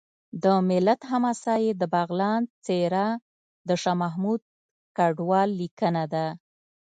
د ملت حماسه کې د بغلان څېره د شاه محمود کډوال لیکنه ده